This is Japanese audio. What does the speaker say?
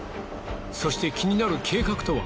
そして気になる計画とは？